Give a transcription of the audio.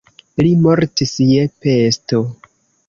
Li mortis je pesto.